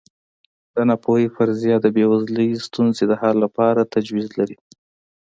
د ناپوهۍ فرضیه د بېوزلۍ ستونزې د حل لپاره تجویز لري.